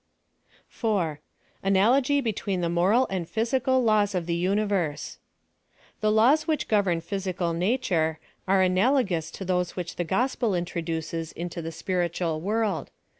4. ANALOGY BETWEEN THE ftJORAL AND PHYfiTCAL LAWS OF THE UNIVERSE. The laws which govern physical nature are analogous to those which the gospel introduces into the spiritual world.